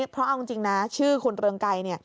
เพราะเอาจริงนะชื่อคุณเรืองไกร